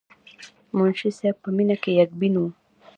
منشي صېب پۀ مينه کښې يک بين وو،